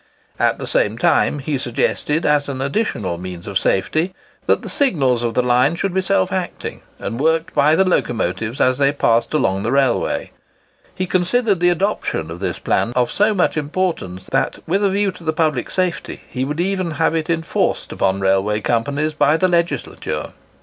At the same time he suggested, as an additional means of safety, that the signals of the line should be self acting, and worked by the locomotives as they passed along the railway. He considered the adoption of this plan of so much importance, that, with a view to the public safety, he would even have it enforced upon railway companies by the legislature.